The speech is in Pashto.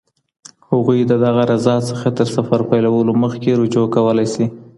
هغوی د دغه رضا څخه تر سفر پيلولو مخکي رجوع کولای سي.